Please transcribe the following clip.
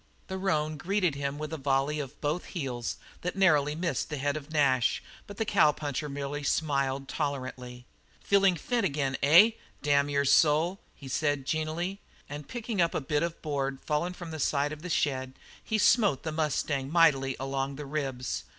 The roan greeted him with a volley from both heels that narrowly missed the head of Nash, but the cowpuncher merely smiled tolerantly. "Feelin' fit agin, eh, damn your soul?" he said genially, and picking up a bit of board, fallen from the side of the shed, he smote the mustang mightily along the ribs.